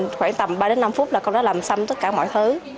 khoảng tầm ba đến năm phút là con đã làm xong tất cả mọi thứ